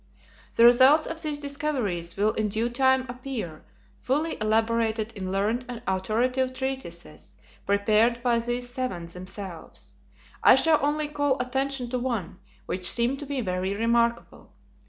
The results of these discoveries will in due time appear, fully elaborated in learned and authoritative treatises prepared by these savants themselves. I shall only call attention to one, which seemed to me very remarkable.